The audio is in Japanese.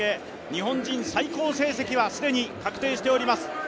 日本人最高成績は既に確定しております。